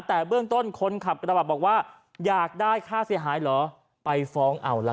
แต่เบื้องต้นคนขับกระบะบาลบอกว่าอยากได้ค่าเสียหายเหรอ